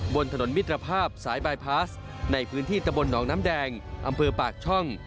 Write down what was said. บนถนนมิตรภาพสายบายพาสในพื้นที่ตะบลหนองน้ำแดงอำเภอปากช่อง